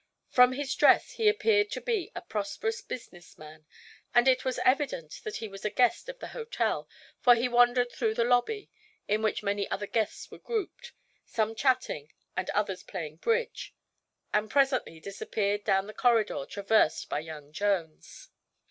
From his dress he appeared to be a prosperous business man and it was evident that he was a guest of the hotel, for he wandered through the lobby in which many other guests were grouped, some chatting and others playing "bridge" and presently disappeared down the corridor traversed by young Jones.